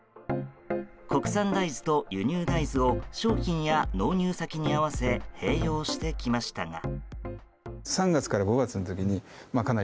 国産大豆と輸入大豆を商品や納入先に合わせ併用してきましたが。